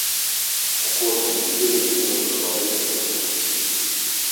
А кожны другі рызыкуе захварэць на працягу жыцця.